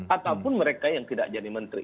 ataupun mereka yang tidak jadi menteri